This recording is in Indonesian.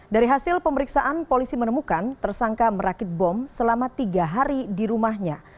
dari hasil pemeriksaan polisi menemukan tersangka merakit bom selama tiga hari di rumahnya